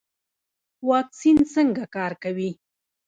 واکسین څنګه کار کوي؟